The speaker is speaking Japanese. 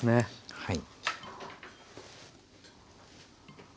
はい。